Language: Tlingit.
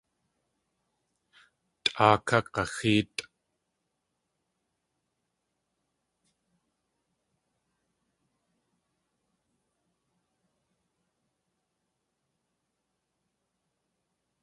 Tʼaa ká g̲axéetʼ!